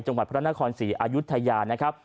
จังหวัดพระนครศรีอายุทยานะครับ